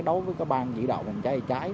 đối với các ban dự đoạn phòng cháy cháy